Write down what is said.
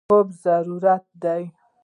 خوب ضروري دی.